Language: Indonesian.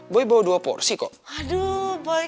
boy bawa dua porsi kok aduh boy